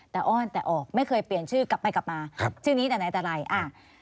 แต่อ้อนแต่ออกไม่เคยเปลี่ยนชื่อกลับไปกลับมาครับชื่อนี้แต่ไหนแต่ไรอ่า